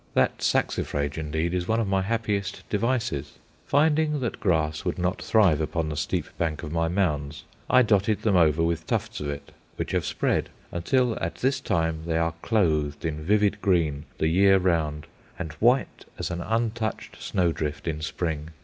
That saxifrage, indeed, is one of my happiest devices. Finding that grass would not thrive upon the steep bank of my mounds, I dotted them over with tufts of it, which have spread, until at this time they are clothed in vivid green the year round, and white as an untouched snowdrift in spring.